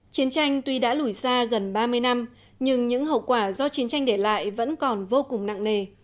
chiến tranh tuy đã lùi xa gần ba mươi năm nhưng những hậu quả do chiến tranh để lại vẫn còn vô cùng nặng nề